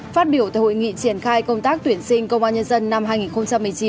phát biểu tại hội nghị triển khai công tác tuyển sinh công an nhân dân năm hai nghìn một mươi chín